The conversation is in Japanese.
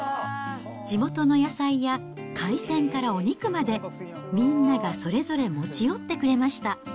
地元の野菜や海鮮からお肉まで、みんながそれぞれ持ち寄ってくれました。